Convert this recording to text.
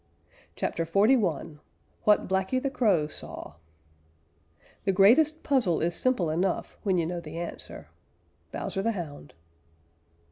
CHAPTER XLI WHAT BLACKY THE CROW SAW The greatest puzzle is simple enough when you know the answer. _Bowser the Hound.